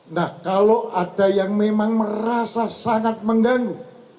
nah kalau ada yang memang merasa sangat mengganggu